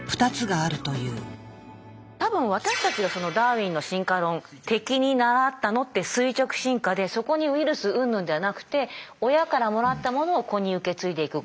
多分私たちがダーウィンの進化論的に習ったのって垂直進化でそこにウイルスうんぬんではなくて親からもらったものを子に受け継いでいく。